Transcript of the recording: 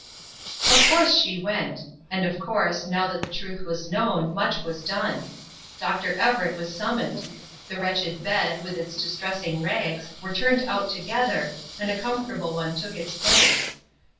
Of course she went. And, of course, now that the truth was known, much was done. Dr. Everett was summoned. The wretched bed, with its distressing rags, were turned out together, and a comfortable one took its place.